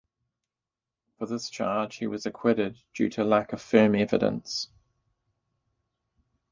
For this charge he was acquitted, due to lack of firm evidence.